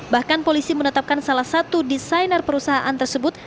bahkan polisi menetapkan salah satu desainer perusahaan tersebut